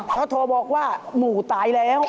เขาโทรบอกว่าหมู่ตายแล้ว